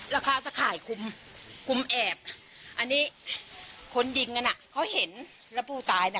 แล้วเขาตะข่ายคุมคุมแอบอันนี้คนยิงกันอ่ะเขาเห็นแล้วผู้ตายน่ะ